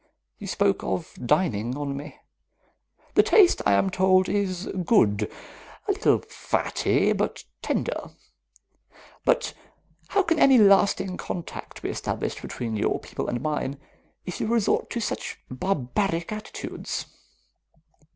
You spoke of dining on me. The taste, I am told, is good. A little fatty, but tender. But how can any lasting contact be established between your people and mine if you resort to such barbaric attitudes?